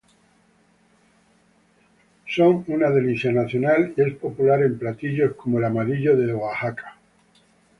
Son una delicia nacional y es popular en platillos como el "Amarillo" de Oaxaca.